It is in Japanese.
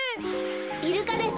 イルカです。